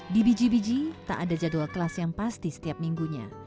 di biji biji tak ada jadwal kelas yang pasti setiap minggunya